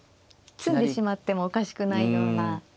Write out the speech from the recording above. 詰んでしまってもおかしくないような。